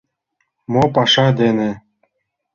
— Мо паша дене?